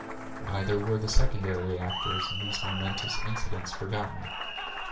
Neither were the secondary actors in these momentous incidents forgotten.